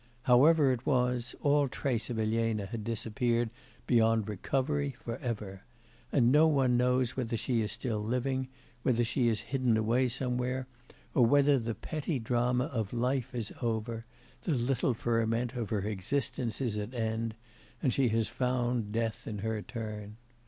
However it was, all trace of Elena had disappeared beyond recovery for ever; and no one knows whether she is still living, whether she is hidden away somewhere, or whether the petty drama of life is over the little ferment of her existence is at an end; and she has found death in her turn.